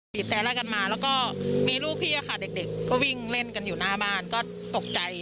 แซ่ไล่กันมาแล้วก็มีลูกพี่ค่ะเด็กก็วิ่งเล่นกันอยู่หน้าบ้านก็ตกใจ